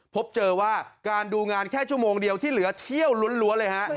พบเจอว่าการดูงานแค่ชั่วโมงเดียวที่เหลือเที่ยวล้วนเลยฮะ